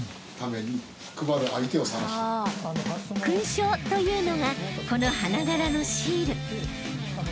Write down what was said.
［勲章というのがこの花柄のシール］